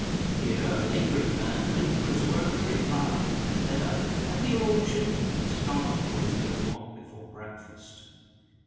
Here, a labouring man, late for his work, hurried by; there, a hale old gentleman started for his early walk before breakfast.